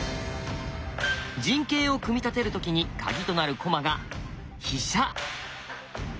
陣形を組み立てる時にカギとなる駒が「飛車」。